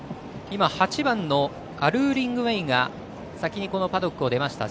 ８番のアルーリングウェイが先にパドックを出ました。